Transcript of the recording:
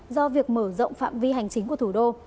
do việc mở rộng phạm vi hành chính của thủ đô